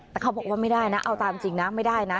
แต่เขาบอกว่าไม่ได้นะเอาตามจริงนะไม่ได้นะ